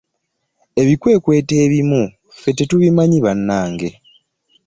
Ebikwekweto ebimu ffe tetubimanyi bannange.